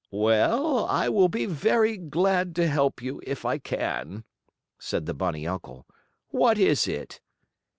"Well, I will be very glad to help you if I can," said the bunny uncle. "What is it?"